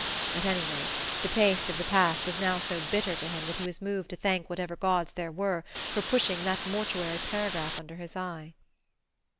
At any rate, the taste of the past was now so bitter to him that he was moved to thank whatever gods there were for pushing that mortuary paragraph under his eye....